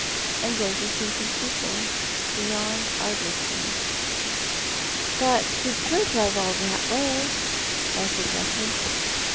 I am going to see some peoj^Ie beyond Ardliston." " But we could all drive that way," I suggested.